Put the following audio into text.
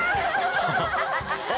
ハハハハ！